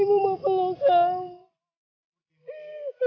ibu mau peluk kamu